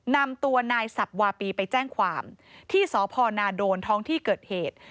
นำตัวนายสับวาปีไปแจ้งความที่สพนาโดนท้องที่เกิดเหตุ